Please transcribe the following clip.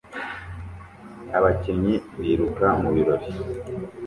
Abakinnyi biruka mubirori